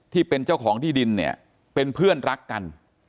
ที่เป็นเจ้าของที่ดินเนี่ยเป็นเพื่อนรักกัน